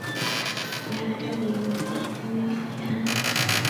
原来这里有一座寺庙天安寺。